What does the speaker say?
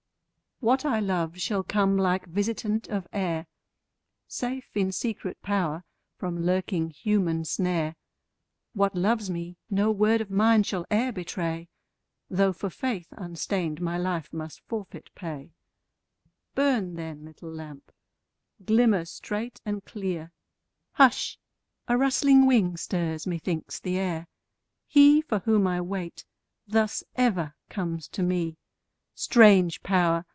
What I love shall come like visitant of air, Safe in secret power from lurking human snare; What loves me, no word of mine shall e'er betray, Though for faith unstained my life must forfeit pay Burn, then, little lamp; glimmer straight and clear Hush! a rustling wing stirs, methinks, the air: He for whom I wait, thus ever comes to me; Strange Power!